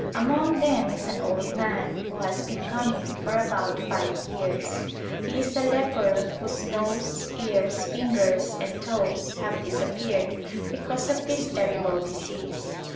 Among them is an old man who has been coming for about five years. He is a leper whose nose, ears, fingers and toes have disappeared because of this terrible disease.